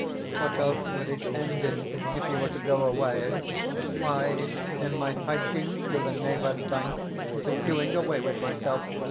What else would it end in, if you were to go away? Why, in my hiking to the Neva's bank and doing away with myself.